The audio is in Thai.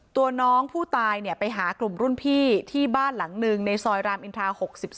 ตัวน้องผู้ตายไปหากลุ่มรุ่นพี่ที่บ้านหลังหนึ่งในซอยรามอินทรา๖๒